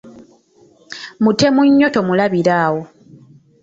Mutemu nnyo tomulabira awo!